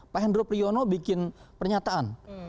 pak hendro priyono bikin pernyataan